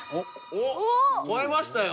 おっ超えましたよ。